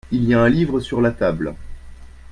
Il y a un livre sutr la table.